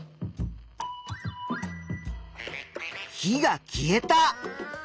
火が消えた。